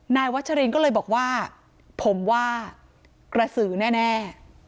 วัชรินก็เลยบอกว่าผมว่ากระสือแน่